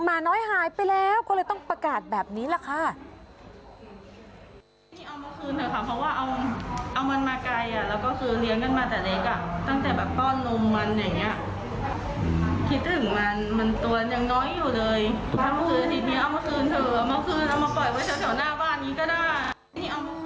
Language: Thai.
หมาน้อยหายไปแล้วก็เลยต้องประกาศแบบนี้แหละค่ะ